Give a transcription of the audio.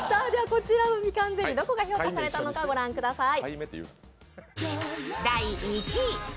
こちらのみかんゼリー、どこが評価されたのか御覧ください。